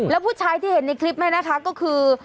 แล้วผู้ชายที่เห็นในคลิปนี้นะคะก็คือ